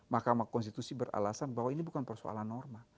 mahkamah konstitusi beralasan bahwa ini bukan persoalan norma